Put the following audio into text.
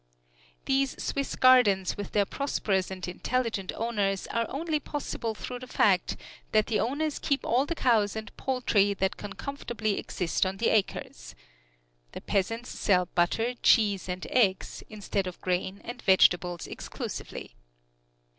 "These Swiss gardens with their prosperous and intelligent owners are only possible through the fact that the owners keep all the cows and poultry that can comfortably exist on the acres. The peasants sell butter, cheese and eggs, instead of grain and vegetables exclusively.